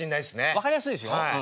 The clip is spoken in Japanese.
分かりやすいでしょ。